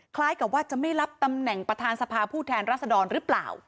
คล้ายกับว่าจะไม่รับตำแหน่งประธานสภาผู้แทนรัศดรหรือเปล่า